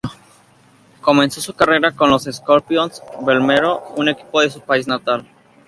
Comenzó su carrera con los Scorpions Vermelho, un equipo de su país natal.